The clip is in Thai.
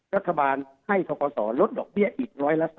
รัฐบาลให้ทกศลดดอกเบี้ยอีก๑๓